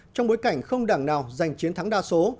trong bối cảnh không đảng nào giành chiến thắng đa số